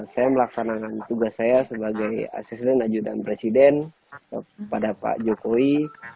saya melaksanakan tugas saya sebagai asisten ajudan presiden kepada pak jokowi